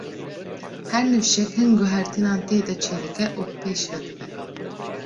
Her nifşek, hin guhertinan tê de çêdike û bi pêş ve dibe.